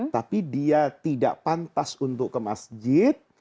tapi dia tidak pantas untuk ke masjid